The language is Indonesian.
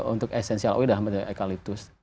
untuk essential oil dalam bentuk eukaliptus